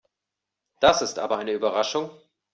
Das ist aber eine Überraschung.